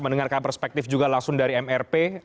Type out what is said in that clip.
mendengarkan perspektif juga langsung dari mrp